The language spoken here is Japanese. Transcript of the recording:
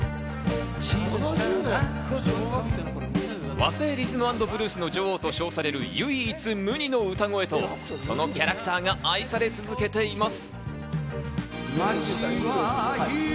和製リズム＆ブルースの女王と称される唯一無二の歌声とそのキャラクターが愛され続けています。